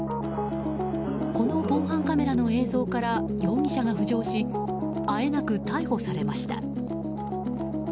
この防犯カメラの映像から容疑者が浮上しあえなく逮捕されました。